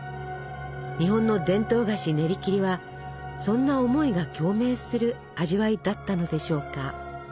日本の伝統菓子ねりきりはそんな思いが共鳴する味わいだったのでしょうか。